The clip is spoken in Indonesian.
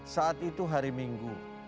saat itu hari minggu